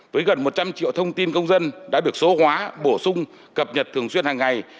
với gần một trăm linh triệu thông tin công dân đã được số hóa bổ sung cập nhật thường xuyên hàng ngày